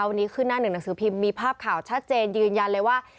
วันนี้ขึ้นหน้าหนึ่งหนังสือพิมพ์มีภาพข่าวชัดเจนยืนยันเลยว่า